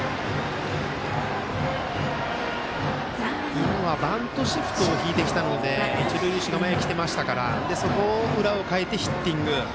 今はバントシフトを敷いてきたので一塁手が前に出てきていましたからそこを裏をかいてヒッティング。